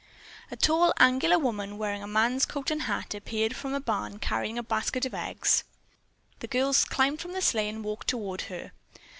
A tall, angular woman, wearing a man's coat and hat, appeared from a barn carrying a basket of eggs. The girls climbed from the sleigh and walked toward her.